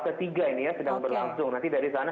ketiga ini ya sedang berlangsung nanti dari sana